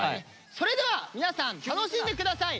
それでは皆さん楽しんで下さい！